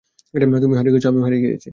তুমিও হারিয়ে গেছো আমিও হারিয়ে গেছি।